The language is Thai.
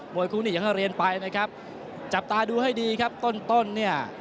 วยคู่นี้อย่างที่เรียนไปนะครับจับตาดูให้ดีครับต้นต้นเนี่ย